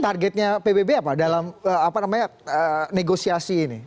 targetnya pbb apa dalam apa namanya negosiasi ini